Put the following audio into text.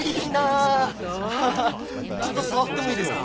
ちょっと触ってもいいですか？